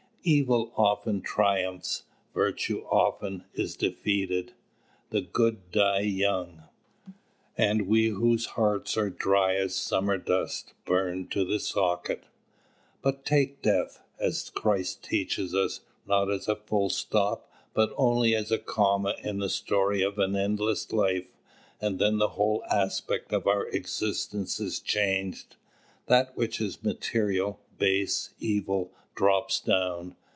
Evil often triumphs. Virtue often is defeated. "The good die young, And we whose hearts are dry as summer dust Burn to the socket." But take death, as Christ teaches us, not as a full stop, but as only a comma in the story of an endless life, and then the whole aspect of our existence is changed. That which is material, base, evil, drops down.